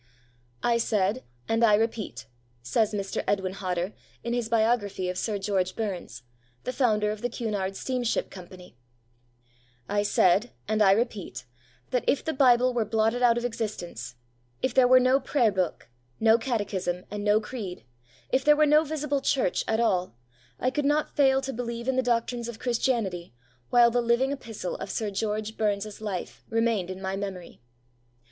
'I said, and I repeat,' says Mr. Edwin Hodder, in his biography of Sir George Burns, the founder of the Cunard Steamship Company, 'I said, and I repeat, that if the Bible were blotted out of existence, if there were no prayer book, no catechism, and no creed, if there were no visible Church at all, I could not fail to believe in the doctrines of Christianity while the living epistle of Sir George Burns' life remained in my memory.'